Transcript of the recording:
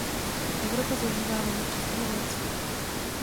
Evropa zažívá vlnu přistěhovalectví.